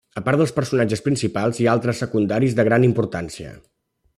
A part dels personatges principals, hi ha altres secundaris de gran importància.